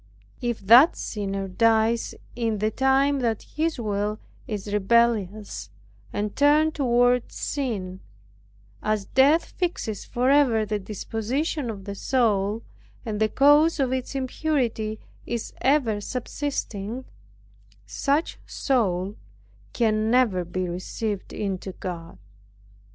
If that sinner dies in the time that his will is rebellious and turned toward sin, as death fixes forever the disposition of the soul, and the cause of its impurity is ever subsisting, such soul can never be received into God.